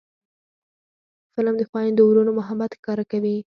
فلم د خویندو ورونو محبت ښکاره کوي